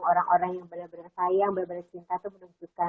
orang orang yang bener bener sayang bener bener cinta tuh menunjukkan